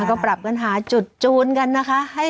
แล้วก็ปรับกันหาจุดจูนกันนะคะให้